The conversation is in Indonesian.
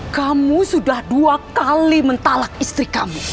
kamu sudah dua kali mentalak istri kamu